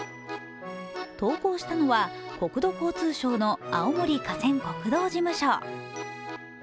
投稿したのは、国土交通省の青森河川国道事務所。